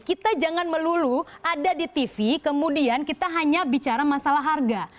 kita jangan melulu ada di tv kemudian kita hanya bicara masalah harga